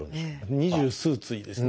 二十数対ですね。